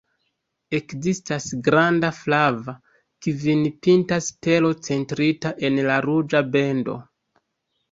Ekzistas granda flava, kvin-pinta stelo centrita en la ruĝa bendo.